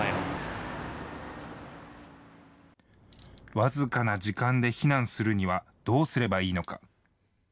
僅かな時間で避難するにはどうすればいいのか。